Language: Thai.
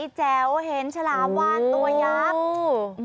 น้ำใสแจวเห็นฉลามวานตัวยักษ์